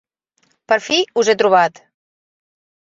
Per fi us he trobat!